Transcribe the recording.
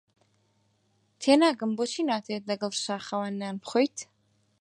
تێناگەم بۆچی ناتەوێت لەگەڵ شاخەوان نان بخۆیت.